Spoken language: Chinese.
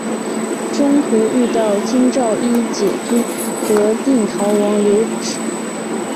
中途遇到京兆尹解恽和定陶王刘祉。